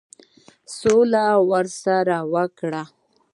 سوله سره وکړه.